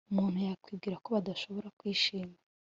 Umuntu yakwibwira ko badashobora kwishima